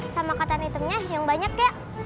sama katan hitamnya yang banyak ya